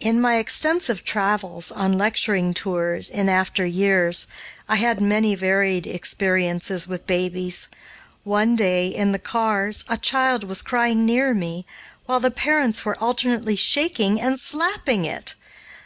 In my extensive travels on lecturing tours, in after years, I had many varied experiences with babies. One day, in the cars, a child was crying near me, while the parents were alternately shaking and slapping it.